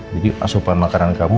jadi asupan makanan kamu